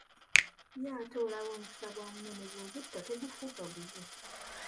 Ye ate olaba omukisa gwa munno nebwoguba tegufuuka gugwo.